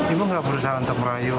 ibu nggak berusaha untuk merayu